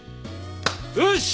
よし！